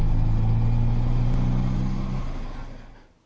ได้แล้วค่ะ